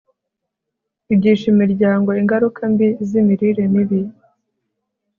igisha imiryango ingaruka mbi z'imirire mibi